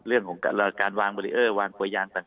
เรื่องของการวางเบรีเออร์วางกลัวยางต่าง